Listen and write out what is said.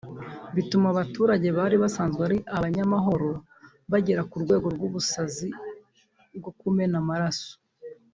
bituma abaturage bari basanzwe ari abanyamahoro bagera ku rwego rw’ubusazi bwo kumena amaraso